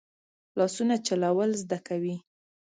لاسونه چلول زده کوي